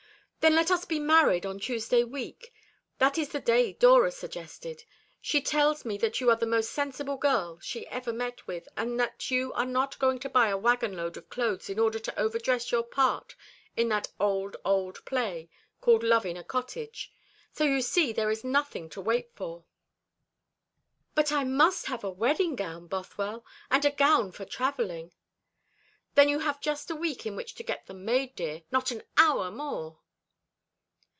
"Then let us be married on Tuesday week. That is the day Dora suggested. She tells me that you are the most sensible girl she ever met with, and that you are not going to buy a wagon load of clothes in order to overdress your part in that old, old play called Love in a Cottage: so you see there is nothing to wait for." "But I must have a wedding gown, Bothwell, and a gown for travelling." "Then you have just a week in which to get them made, dear. Not an hour more."